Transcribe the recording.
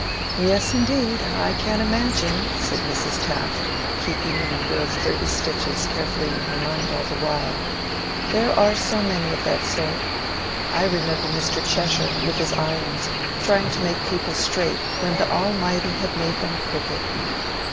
"Yes, indeed, I can imagine," said Mrs. Taft, keeping the number of thirty stitches carefully in her mind all the while; "there are so many of that sort. I remember Mr. Cheshire, with his irons, trying to make people straight when the Almighty had made them crooked."